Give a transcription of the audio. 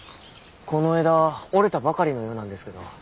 この枝折れたばかりのようなんですけど。